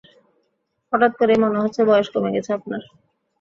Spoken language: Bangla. হঠাৎ করেই মনে হচ্ছে বয়স কমে গেছে আপনার।